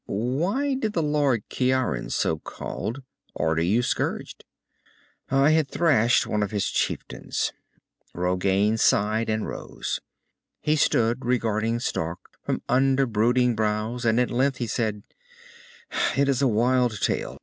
"Why did the Lord Ciaran, so called, order you scourged?" "I had thrashed one of his chieftains." Rogain sighed and rose. He stood regarding Stark from under brooding brows, and at length he said, "It is a wild tale.